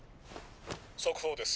速報です。